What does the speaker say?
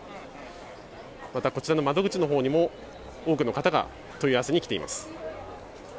またこちらの窓口のほうにも多くの方が問い合わせに来ています。